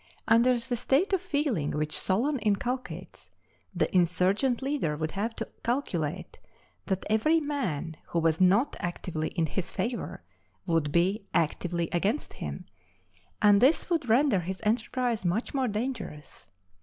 Under the state of feeling which Solon inculcates, the insurgent leader would have to calculate that every man who was not actively in his favor would be actively against him, and this would render his enterprise much more dangerous.